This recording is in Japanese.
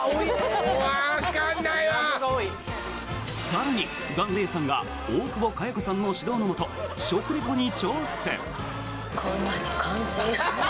更に、檀れいさんが大久保佳代子さんの指導のもと食リポに挑戦！